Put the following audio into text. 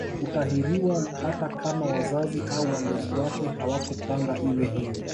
Hutahiriwa hata kama wazazi au walezi wake hawakupanga iwe hivyo